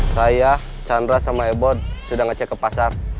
saya chandra sama ebon sudah ngecek ke pasar